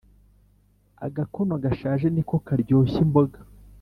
Agakono gashaje niko karyoshya imboga..